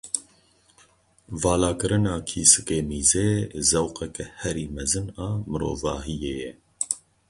Valakirina kîsikê mîzê, zewqeke herî mezin a mirovahiyê ye.